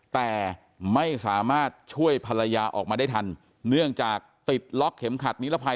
แต่ไม่สามารถช่วยภรรยาออกมาได้ทันเนื่องจากติดล็อกเข็มขัดนิรภัย